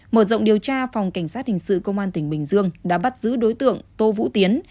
mở rộng điều tra phòng cảnh sát hình sự công an tỉnh bình dương đã bắt giữ đối tượng tô vũ tiến